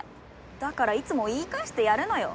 だからいつも言い返してやるのよ。